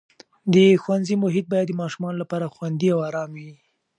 د ښوونځي محیط باید د ماشومانو لپاره خوندي او ارام وي.